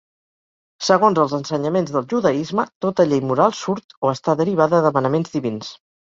Segons els ensenyaments del judaisme tota llei moral surt o està derivada de manaments divins.